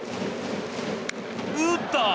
打った！